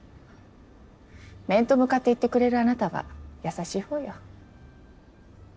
面と向かって言ってくれるあなたは優しいほうよ。